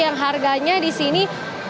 yang harganya di sini